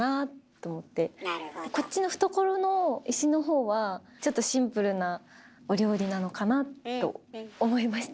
こっちの懐の石のほうはちょっとシンプルなお料理なのかなと思いました。